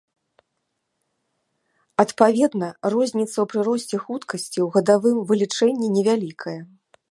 Адпаведна, розніца ў прыросце хуткасці ў гадавым вылічэнні невялікая.